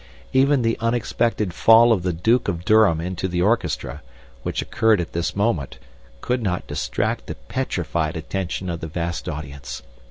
Even the unexpected fall of the Duke of Durham into the orchestra, which occurred at this moment, could not distract the petrified attention of the vast audience.